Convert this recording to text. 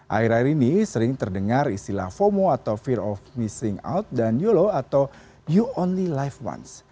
akhir akhir ini sering terdengar istilah fomo atau fear of missing out dan yolo atau you only live once